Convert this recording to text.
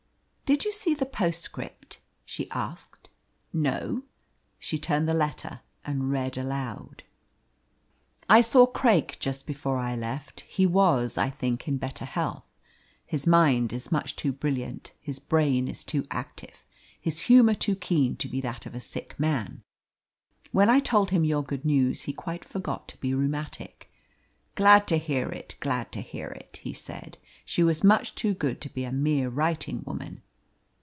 "Did you see the postscript?" she asked. "No." She turned the letter and read aloud. "I saw Craik just before I left. He was, I think, in better health. His mind is much too brilliant, his brain too active, his humour too keen to be that of a sick man. When I told him your good news he quite forgot to be rheumatic. 'Glad to hear it, glad to hear it,' he said. 'She was much too good to be a mere writing woman.'